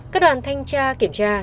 các đoàn thanh tra kiểm tra